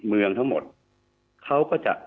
เมืองทั้งหมดเขาก็จะ